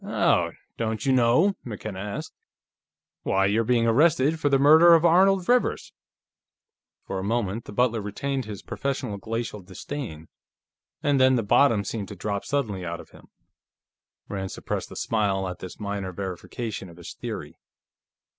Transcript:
"Oh! Don't you know?" McKenna asked. "Why, you're being arrested for the murder of Arnold Rivers." For a moment the butler retained his professional glacial disdain, and then the bottom seemed to drop suddenly out of him. Rand suppressed a smile at this minor verification of his theory.